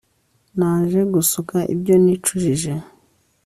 naje gusuka ibyo nicujije